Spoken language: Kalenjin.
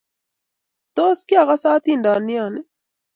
Tos, kiaigase hatindioni?